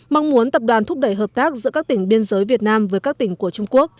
mong muốn tập đoàn thúc đẩy hợp tác giữa các tỉnh biên giới việt nam với các tỉnh của trung quốc